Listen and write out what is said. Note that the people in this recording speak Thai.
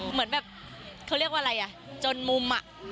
เหมือนแบบเขาเรียกว่าอะไรอ่ะจนมุม